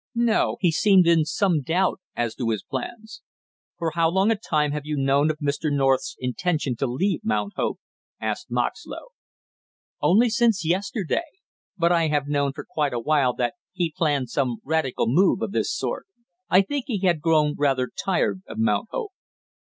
"No; he seemed in some doubt as to his plans." "For how long a time have you known of Mr. North's intention to leave Mount Hope?" asked Moxlow. "Only since yesterday, but I have known for quite a while that he planned some radical move of this sort. I think he had grown rather tired of Mount Hope."